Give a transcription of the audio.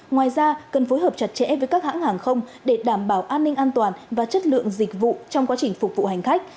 ngoài ra cần phối hợp chặt chẽ với các hãng hàng không để đảm bảo an ninh an toàn và chất lượng dịch vụ trong quá trình phục vụ hành khách